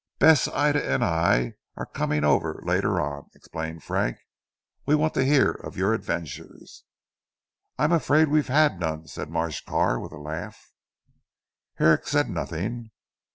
"Bess, Ida and I are coming over later on," explained Frank, "we want to hear of your adventures." "I am afraid we have none," said Marsh Carr with a laugh. Herrick said nothing.